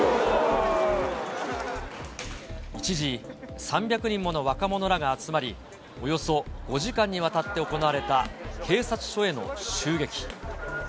一時、３００人もの若者らが集まり、およそ５時間にわたって行われた警察署への襲撃。